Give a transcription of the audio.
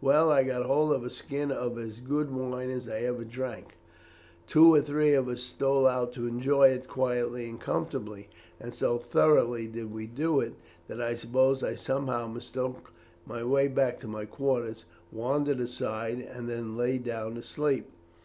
Well, I got hold of a skin of as good wine as ever I drank. Two or three of us stole out to enjoy it quietly and comfortably, and so thoroughly did we do it, that I suppose I somehow mistook my way back to my quarters, wandered aside, and then lay down to sleep.